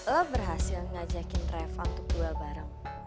lo berhasil ngajakin travel untuk duel bareng